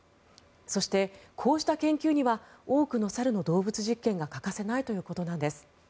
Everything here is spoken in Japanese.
そして、こうした研究には多くの猿の動物実験が欠かせないということです。